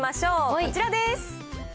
こちらです。